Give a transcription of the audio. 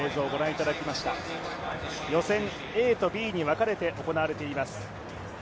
予選ＡとＢに別れて行われています。